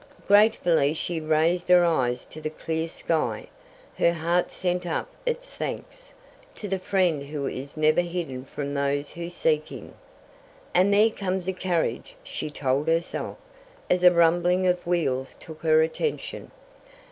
Gratefully she raised her eyes to the clear sky. Her heart sent up its thanks to the Friend who is never hidden from those who seek Him. "And there comes a carriage," she told herself, as a rumbling of wheels took her attention.